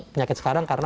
penyakit sekarang karena